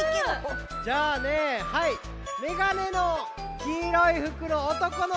じゃあねはいめがねのきいろいふくのおとこのこ。